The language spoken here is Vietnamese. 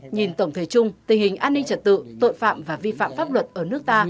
nhìn tổng thể chung tình hình an ninh trật tự tội phạm và vi phạm pháp luật ở nước ta